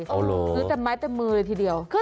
ซื้อแต่ไม้เต็มมือเลยทีเดียว